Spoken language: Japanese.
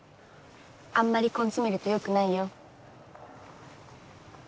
あんまり根詰めるとよくないよ。